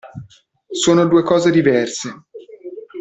Sono due cose diverse!